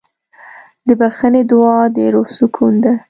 د بښنې دعا د روح سکون ده.